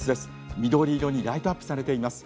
緑色にライトアップされています。